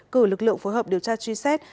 cử lực lượng phối hợp điều tra truy xét